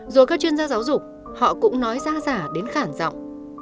rồi các chuyên gia giáo dục họ cũng nói ra giả đến khả giọng